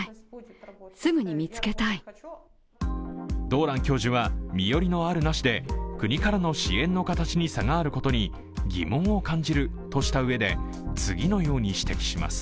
ドーラン教授は身寄りのあるなしで国からの支援の形に差があることに疑問を感じるとしたうえで次のように指摘します。